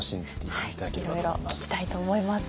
いろいろ聞きたいと思います。